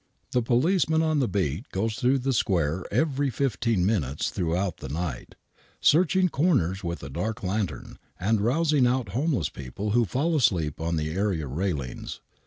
The policeman on the beat goes through the square every fifteen minutes throughout the night, searching corners with a dark lantern and rousing out homeless people who fall asleep on the area railings.